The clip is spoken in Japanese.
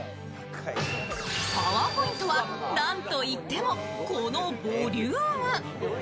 パワーポイントは、なんといってもこのボリューム。